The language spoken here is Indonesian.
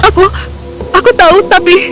aku aku tahu tapi